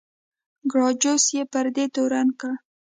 ګراکچوس یې پر دې تورن کړ.